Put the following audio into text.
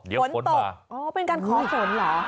เดี๋ยวฝนมาเป็นการขอฝนเหรอฝนตกนะคะ